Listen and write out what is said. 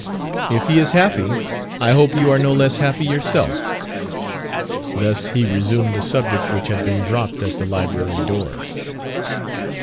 If he is happy, I hope you are no less happy yourself...." Thus he resumed the subject which had been dropped at the Library door.